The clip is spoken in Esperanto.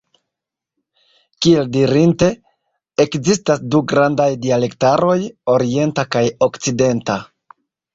Kiel dirite, ekzistas du grandaj dialektaroj: orienta kaj okcidenta.